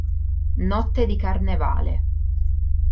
Notte di carnevale